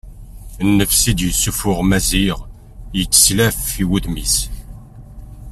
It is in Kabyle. Nnefs i d-yessuffuɣ Maziɣ yetteslaf i wudem-is.